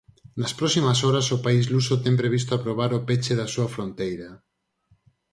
Nas próximas horas o país luso ten previsto aprobar o peche da súa fronteira.